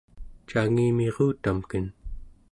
cangimirutamken